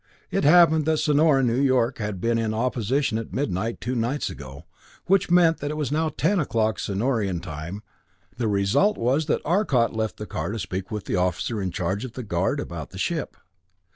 It happened that Sonor and New York had been in opposition at midnight two nights ago, which meant that it was now ten o'clock Sonorian time. The result was that Arcot left the car to speak to the officer in charge of the guard about the ship.